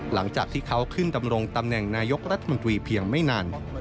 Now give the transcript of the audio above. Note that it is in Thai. หลังจากที่เขาขึ้นดำรงตำแหน่งนายกรัฐมนตรีเพียงไม่นาน